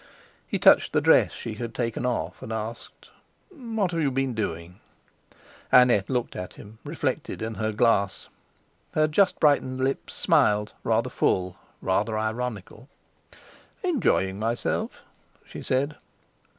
He touched the dress she had taken off, and asked: "What have you been doing?" Annette looked at him, reflected in her glass. Her just brightened lips smiled, rather full, rather ironical. "Enjoying myself," she said.